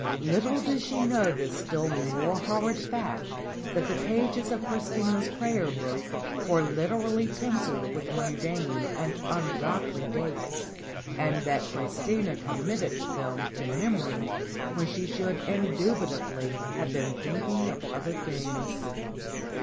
Little did she know the still more horrid fact that the pages of Christina's Prayer Book were literally pencilled with mundane and un godly dates, and that Christina committed them to memory when she should indubitably have been think ing of other things.